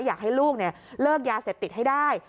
อยากให้ลูกเลิกยาเสพติดให้ได้